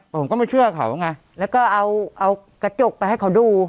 ผมก็ไม่เชื่อเขาไงแล้วก็เอาเอากระจกไปให้เขาดู